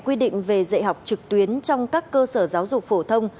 quy định về dạy học trực tuyến trong các cơ sở giáo dục phổ thông